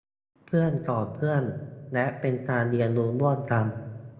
เพื่อนสอนเพื่อน และเป็นการเรียนรู้ร่วมกัน